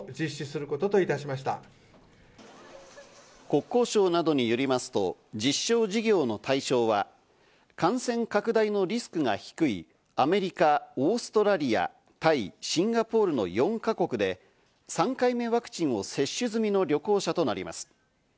国交省などによりますと実証事業の対象は感染拡大のリスクが低いアメリカ、オーストラリア、タイ、シンガポールの４か国で、３回目ワクチンを接種済みの旅行者となります。